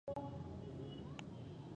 افغانستان کې مېوې د چاپېریال د تغیر نښه ده.